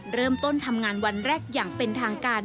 เริ่มต้นทำงานวันแรกอย่างเป็นทางการ